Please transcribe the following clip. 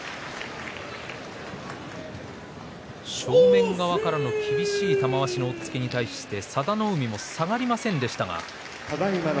正面側からの厳しい玉鷲の押っつけに対して佐田の海も下がりませんでした。